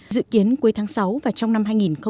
dự kiến cuối tháng sáu và trong năm hai nghìn hai mươi